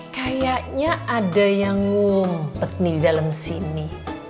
kayaknya ada yang ngumpet nih di dalam sini